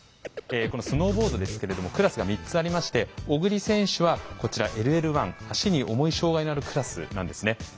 このスノーボードですけれどもクラスが３つありまして小栗選手はこちらＬＬ１足に重い障害のあるクラスなんですね。